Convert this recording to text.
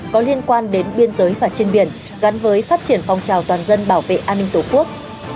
có liên quan đến biên giới và trên biển gắn với phát triển phong trào toàn dân bảo vệ an ninh tổ quốc